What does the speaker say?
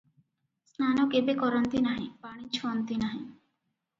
ସ୍ନାନ କେବେ କରନ୍ତି ନାହିଁ, ପାଣି ଛୁଅନ୍ତି ନାହିଁ ।